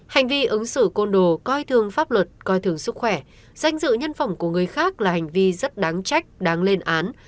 hành vi ứng xử côn đồ coi thường pháp luật coi thường sức khỏe danh dự nhân phẩm của người khác là hành vi rất đáng trách đáng lên án